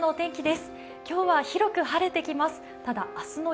今日は広く晴れてきます。